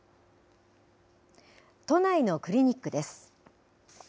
都内のクリニックです。